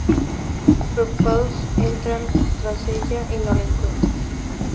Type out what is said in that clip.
Preocupados, entran tras ella y no la encuentran.